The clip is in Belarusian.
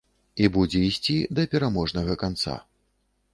І будзе ісці да пераможнага канца.